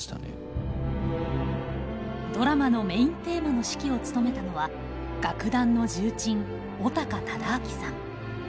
ドラマのメインテーマの指揮を務めたのは楽壇の重鎮尾高忠明さん。